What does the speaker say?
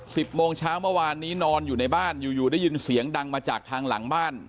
สิบโมงเช้าเมื่อวานนี้นอนอยู่ในบ้านอยู่อยู่ได้ยินเสียงดังมาจากทางหลังบ้าน